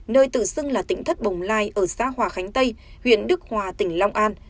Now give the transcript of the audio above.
nơi tự xưng là tỉnh thất bồng lai ở xã hòa khánh tây huyện đức hòa tỉnh long an